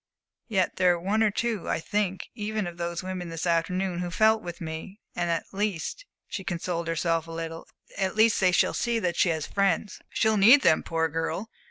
Yet there were one or two, I think, even of those women this afternoon, who felt with me. And at least" she consoled herself a little "at least they shall see that she has friends!" "She'll need them, poor girl.